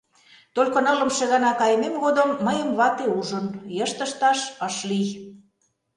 Только нылымше гана кайымем годым мыйын вате ужын — йышт ышташ ыш лий.